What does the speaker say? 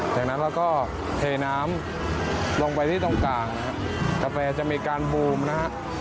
จากนั้นเราก็เทน้ำลงไปที่ตรงกลางนะครับกาแฟจะมีการบูมนะฮะ